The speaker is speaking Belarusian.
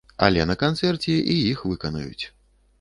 Але на канцэрце і іх выканаюць.